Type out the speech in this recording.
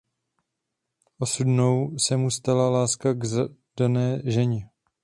Osudnou se mu stala láska k zadané ženě.